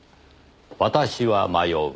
「私は迷う。